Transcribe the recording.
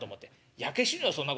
「焼け死ぬよそんなことしたら」。